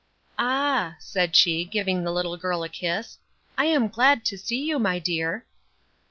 "Ah!" said she, giving the little girl a kiss, "I am glad to see you, my dear."